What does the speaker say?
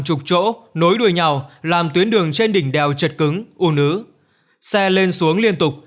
chục chỗ nối đuôi nhau làm tuyến đường trên đỉnh đèo chật cứng u nứ xe lên xuống liên tục